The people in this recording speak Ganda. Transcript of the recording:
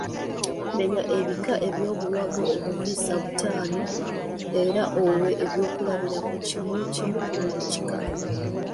Menya ebika by’obuwango obuviisa butaano era owe ekyokulabirako kimu kimu ku buli kika.